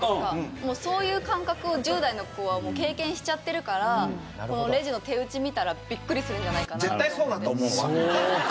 もうそういう感覚を１０代の子は経験しちゃってるからレジの手打ち見たらビックリするんじゃないかなと思って。